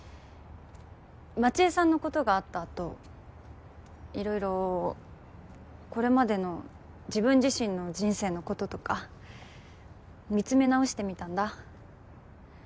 街絵さんのことがあった後色々これまでの自分自身の人生のこととか見つめ直してみたんだ。